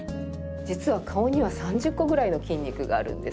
実は顔には３０個ぐらいの筋肉があるんです。